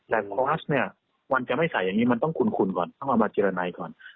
แต่คอร์สเนี่ยมันจะไม่ใส่อย่างนี้มันต้องคุ้นก่อนต้องเอามาเจรนัยก่อน